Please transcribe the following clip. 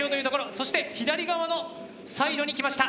そして左側のサイドに来ました。